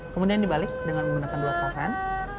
kemudian dibalik dengan menggunakan dua pasan